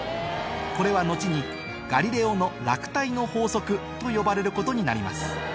これは後に「ガリレオの落体の法則」と呼ばれることになります